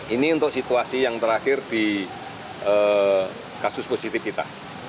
ini untuk situasi yang terakhir di kasus positif kita